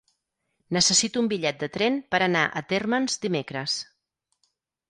Necessito un bitllet de tren per anar a Térmens dimecres.